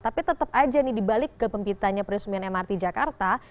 tapi tetap aja nih dibalik ke pembitanya peresmian mrt jakarta